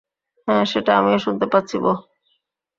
হ্যাঁ, সেটা আমিও শুনতে পাচ্ছি, বোহ।